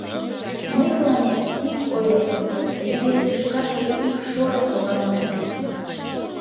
Мый тыланет вик ойлем: тый пире тӱшкашке ик шорык логалынат.